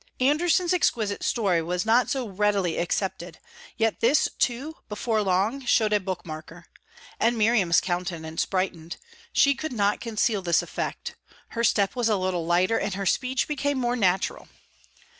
Andersen's exquisite story was not so readily accepted, yet this too before long showed a book marker. And Miriam's countenance brightened; she could not conceal this effect. Her step was a little lighter, and her speech became more natural.